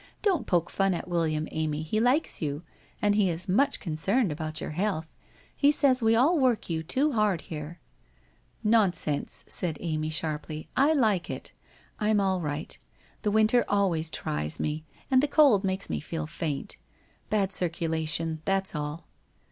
Don't poke fun at William, Amy, he likes you, and he is much concerned about your health. He says we all work you too hard here.' * Nonsense !' said Amy, sharply, ' I like it. I'm all right. The winter always tries me and the cold makes me feel faint. Bad circulation, that's all